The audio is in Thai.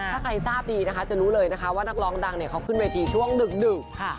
ถ้าใครทราบดีนะคะจะรู้เลยนะคะว่านักร้องดังเนี่ยเขาขึ้นเวทีช่วงดึก